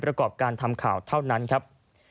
ประกอบการทำข่าวเท่านั้นครับ